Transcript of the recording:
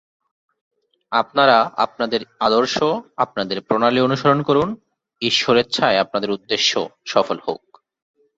আপনারা আপনাদের আদর্শ, আপনাদের প্রণালী অনুসরণ করুন, ঈশ্বরেচ্ছায় আপনাদের উদ্দেশ্য সফল হউক।